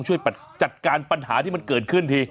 ช่วยจัดการปัญหาที่มันเกิดขึ้นที